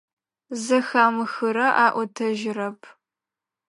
Зэхамыхырэ аӏотэжьырэп.